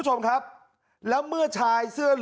มึงอยากให้ผู้ห่างติดคุกหรอ